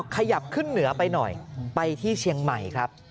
ขยับขึ้นเหนือไปหน่อยไปที่เชียงใหม่ครับ